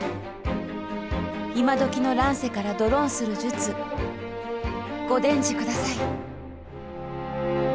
今どきの乱世からドロンする術ご伝授ください！